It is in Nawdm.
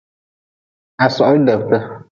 Ha sohli debte.